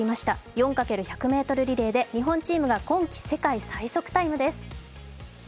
４×１００ｍリレーで日本チームが今季世界最速タイムです。